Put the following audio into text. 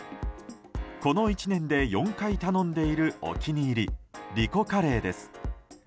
この１年で４回頼んでいるお気に入りｒｉｃｏｃｕｒｒｙです。